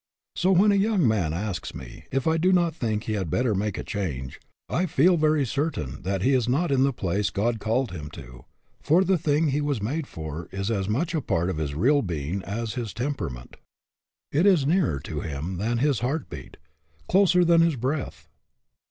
So when a young man asks me if I do not think he had better make a change, I feel very certain that he is not in the place God called him to, for the thing he was made for is as much a part of his real being as his temperament. It is nearer to him than his heart beat, closer than his breath.